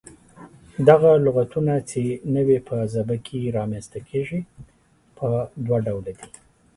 دغه لغتونه چې نوي په ژبه کې رامنځته کيږي، پۀ دوله ډوله دي: